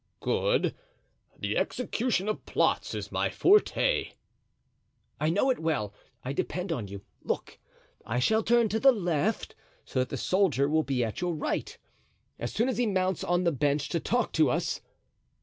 "Good, the execution of plots is my forte." "I know it well. I depend on you. Look, I shall turn to the left, so that the soldier will be at your right, as soon as he mounts on the bench to talk to us."